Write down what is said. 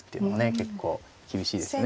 結構厳しいですね。